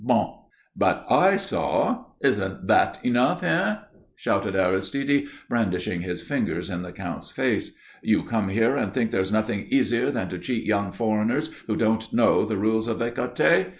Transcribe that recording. Bon!" "But I saw. Isn't that enough, hein?" shouted Aristide brandishing his fingers in the Count's face. "You come here and think there's nothing easier than to cheat young foreigners who don't know the rules of ecarté.